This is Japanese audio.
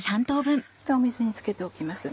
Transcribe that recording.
水に漬けておきます